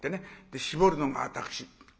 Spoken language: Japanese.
で絞るのが私。